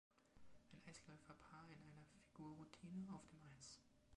Ein Eisläufer-Paar in einer Figurroutine auf dem Eis.